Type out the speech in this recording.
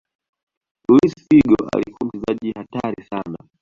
luis figo alikuwa mchezaji hatari sana